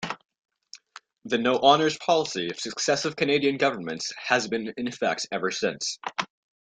The no-honours policy of successive Canadian governments has been in effect ever since.